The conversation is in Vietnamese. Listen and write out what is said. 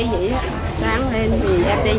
sáng lên thì em đi làm